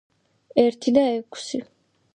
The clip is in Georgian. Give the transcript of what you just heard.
ერთი და ექვსი.